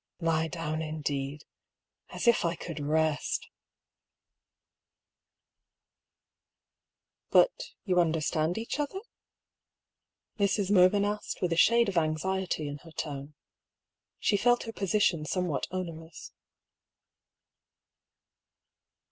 Lie down, indeed ! As if I could rest !"" But — ^you understand each other ?" Mrs. Mervyn asked, with a shade of anxiety in her tone. She felt her position somewhat onerous.